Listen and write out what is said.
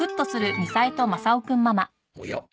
おや？